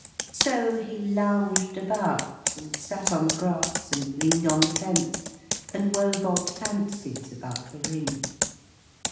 So he lounged about, and sat on the grass, and leaned on the fence, and wove odd fancies about the ring.